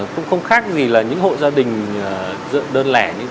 cũng không khác gì là những hộ gia đình dựa đơn lẻ như